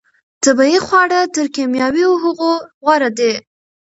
طبیعي خواړه تر کیمیاوي هغو غوره دي.